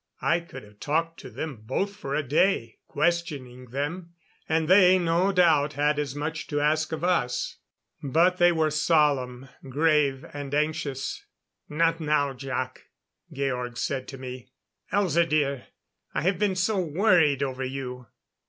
I could have talked to them both for a day, questioning them; and they, no doubt, had as much to ask of us. But they were solemn, grave and anxious. "Not now, Jac," Georg said to check me. "Elza dear I have been so worried over you."